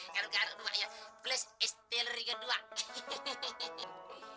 garuk garuk dua ya flash esteriga dua tampangnya serem